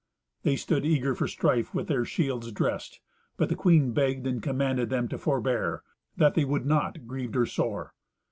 They stood eager for strife with their shields dressed, but the queen begged and commanded them to forbear; that they would not, grieved her sore.